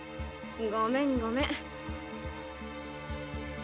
・ごめんごめん。